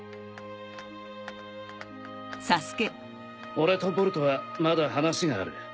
俺とボルトはまだ話がある。